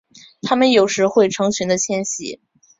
它们有时会成群的迁徙。